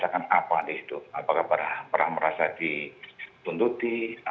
dan tadi itulah berubah memberikan foto